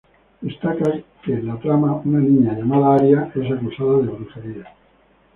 Destaca que en la trama una niña llamada Aria es acusada de brujería.